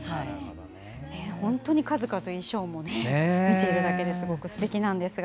本当に数々の衣装も見ているだけですてきなんですが。